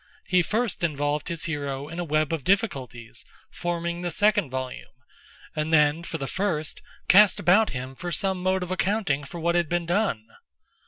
He first involved his hero in a web of difficulties, forming the second volume, and then, for the first, cast about him for some mode of accounting for what had been done."